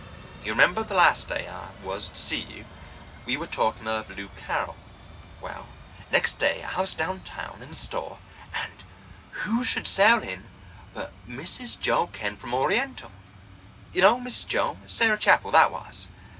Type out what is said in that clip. You remember the last day I was to see you we were talking of Lou Carroll? Well, next day I was downtown in a store, and who should sail in but Mrs. Joel Kent, from Oriental. You know Mrs. Joel—Sarah Chapple that was?